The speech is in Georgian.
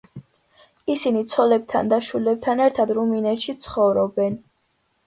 ისინი ცოლებთან და შვილებთან ერთად რუმინეთში ცხოვრობენ.